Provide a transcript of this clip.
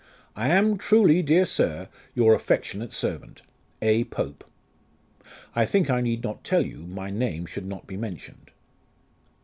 I am truly, dear Sir, your affectionate servant, " A. POPE. " I think I need not tell you my name should not be mentioned."